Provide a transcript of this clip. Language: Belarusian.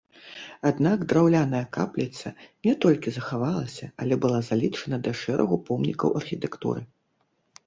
Аднак драўляная капліца не толькі захавалася, але была залічана да шэрагу помнікаў архітэктуры.